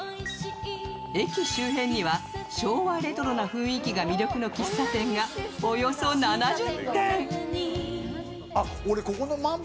駅周辺には昭和レトロな雰囲気が魅力の喫茶店がおよそ７０店。